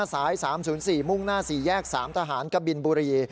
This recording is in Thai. สาย๓๐๔มุ่งหน้า๔แยก๓ทหารกบินบุรี